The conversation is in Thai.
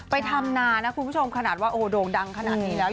ไปทำนานะคุณผู้ชมขนาดว่าโอ้โด่งดังขนาดนี้แล้ว